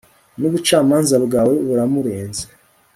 n'ubucamanza bwawe buramurenze